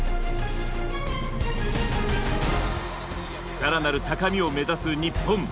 更なる高みを目指す日本。